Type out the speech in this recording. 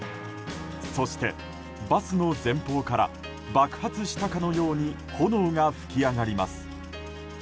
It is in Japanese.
そして、バスの前方から爆発したかのように炎が噴き上がります。